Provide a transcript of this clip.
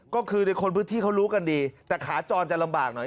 ก็คือในคนพื้นที่เขารู้กันดีแต่ขาจรจะลำบากหน่อย